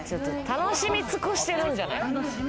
楽しみ尽くしてるんじゃない？